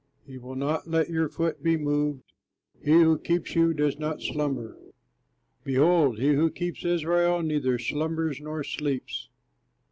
He will not let your foot be moved; he who keeps you does not slumber; Behold, he who keeps Israel neither slumbers nor sleeps!